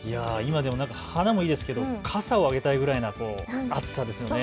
花もいいですけど傘をあげたいくらいの暑さですよね。